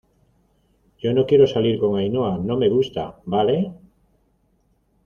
yo no quiero salir con Ainhoa, no me gusta ,¿ vale?